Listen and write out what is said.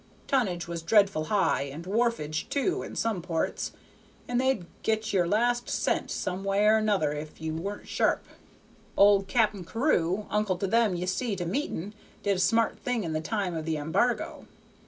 Tonnage was dreadful high and wharfage too, in some ports, and they'd get your last cent some way or 'nother if ye weren't sharp. "Old Cap'n Carew, uncle to them ye see to meeting, did a smart thing in the time of the embargo.